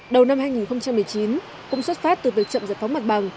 đầu năm hai nghìn một mươi chín cung xuất phát từ việc chậm giải phóng mặt bảo